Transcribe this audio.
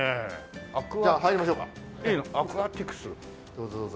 どうぞどうぞ。